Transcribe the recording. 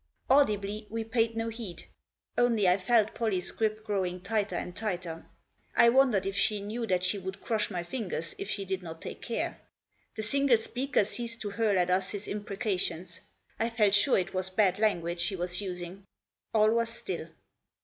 Audibly, we paid no heed. Only I felt Pollie's grip growing tighter and tighter. I wondered if she knew that she would crush my fingers if she did not take care. The single speaker ceased to hurl at us his impreca tions. I felt sure it was bad language he was using. All was still.